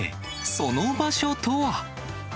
その場所とは。